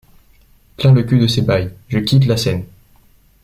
Plein le cul de ces bails, je quitte la scène.